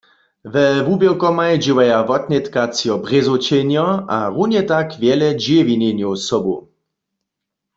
We wuběrkomaj dźěłaja wotnětka třo Brězowčenjo a runje tak wjele Dźěwinjenjow sobu.